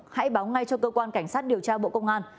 hãy báo ngay cho cơ quan cảnh sát điều tra bộ công an